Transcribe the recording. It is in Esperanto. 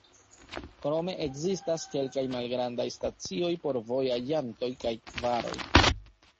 Krome ekzistas kelkaj malgrandaj stacioj por vojaĝantoj kaj varoj.